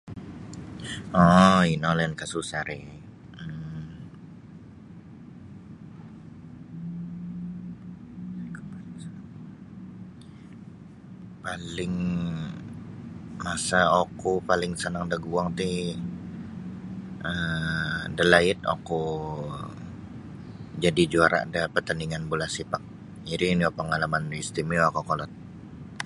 Oo ino lain ka susah ri um [unintelligible] paling masa oku paling sanang daguang ti um da laid oku jadi juara da patandingan bula sipak iri no pangalaman istimiwa kokolod